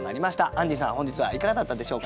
アンジーさん本日はいかがだったでしょうかね？